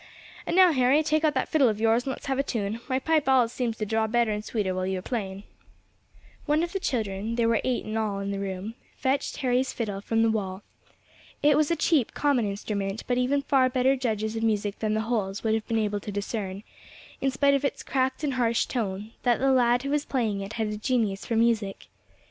And now, Harry, take out that fiddle of yours and let's have a tune; my pipe allus seems to draw better and sweeter while you are playing." One of the children there were eight in all in the room fetched Harry's fiddle from the wall. It was a cheap, common instrument, but even far better judges of music than the Holls would have been able to discern, in spite of its cracked and harsh tone, that the lad who was playing it had a genius for music.